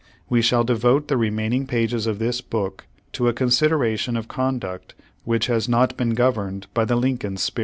We shall devote the remaining pages of this book to a consideration of conduct which has not been governed by the Lincoln spirit.